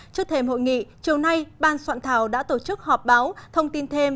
trước thêm hội nghị chiều nay ban soạn thảo đã tổ chức họp báo thông tin thêm